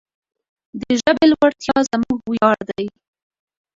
د ژبې لوړتیا زموږ ویاړ دی.